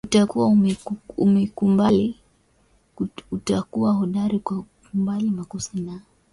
utakuwa umeikumbali utakuwa hodari kwa kukumbali makosa yako na ukakosolewa na ukaondolewa